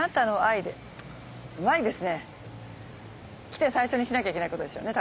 来て最初にしなきゃいけないことですよね